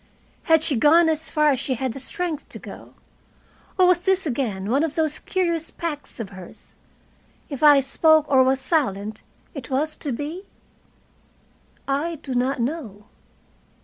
Had she gone as far as she had the strength to go? Or was this again one of those curious pacts of hers if I spoke or was silent, it was to be? I do not know.